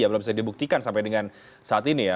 belum bisa dibuktikan sampai dengan saat ini ya